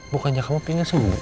bukannya kamu pingin sembuh